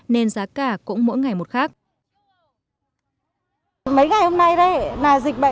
nên giá cả cũng mỗi ngày một khác